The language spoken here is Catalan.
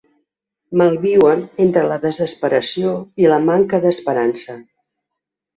Malviuen entre la desesperació i la manca d’esperança.